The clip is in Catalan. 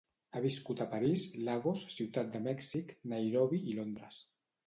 Ha viscut a París, Lagos, ciutat de Mèxic, Nairobi i Londres.